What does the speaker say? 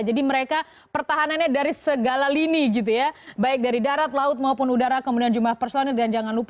jadi mereka pertahanannya dari segala lini gitu ya baik dari darat laut maupun udara kemudian jumlah personil